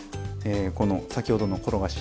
この先ほどの転がし